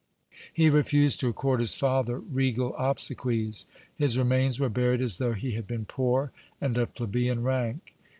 He refused to accord his father regal obsequies; his remains were buried as though he had been poor and of plebeian rank.